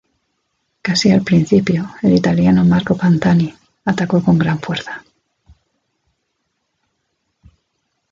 Casi al principio, el italiano Marco Pantani atacó con gran fuerza.